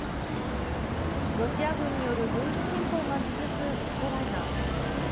ロシア軍による軍事侵攻が続くウクライナ。